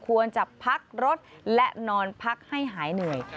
ควรจะพักรถและนอนพักให้หายเหนื่อย